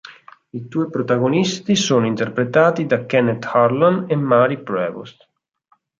I due protagonisti sono interpretati da Kenneth Harlan e Marie Prevost.